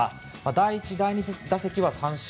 第１、第２打席は三振。